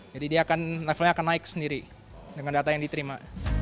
jadi dia akan levelnya akan naik sendiri dengan data yang diterima